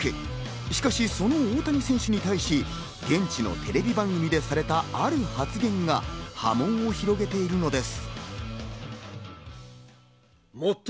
しかし、その大谷選手に対し現地のテレビ番組でされたある発言が波紋を広げているのです。